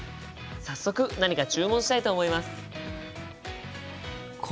早速何か注文したいと思います。